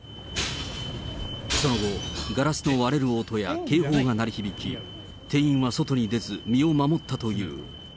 その後、ガラスの割れる音や警報が鳴り響き、店員は外に出ず、身を守ったという。